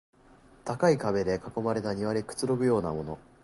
高い壁に囲まれた庭でくつろぐようなもの